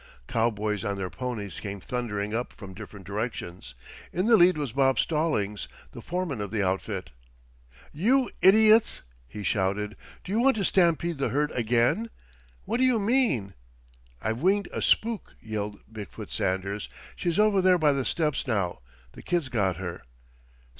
Cowboys on their ponies came thundering up from different directions. In the lead was Bob Stallings, the foreman of the outfit. "You idiots!" he shouted. "Do you want to stampede the herd again? What do you mean?" "I've winged a spook!" yelled Big foot Sanders. "She's over there by the steps now. The kid's got her."